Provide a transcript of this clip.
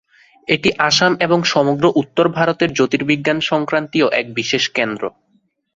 এটি আসাম এবং সমগ্র উত্তর ভারতের জ্যোতির্বিজ্ঞান সংক্রান্তীয় এক বিশেষ কেন্দ্র।